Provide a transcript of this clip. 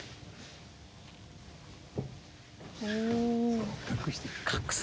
そう隠していく。